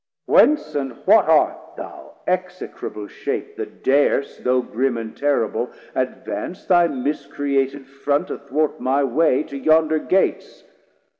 680 Whence and what art thou, execrable shape, That dar'st, though grim and terrible, advance Thy miscreated Front athwart my way To yonder Gates?